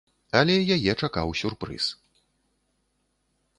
Але яе чакаў сюрпрыз.